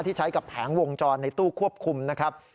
ที่ใช้กับแผงวงจรในตู้ควบคุมนะครับ